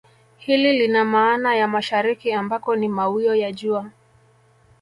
Hili lina maana ya mashariki ambako ni mawio ya jua